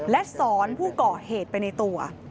และสอนผู้ก่อเหตุไปในตัว